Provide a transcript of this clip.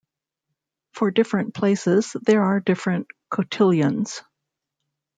For different places, there are different cotillions.